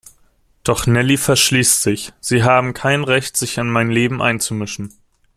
Doch Nelly verschließt sich: „Sie haben kein Recht, sich in mein Leben einzumischen.